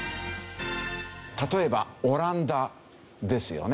例えばオランダですよね。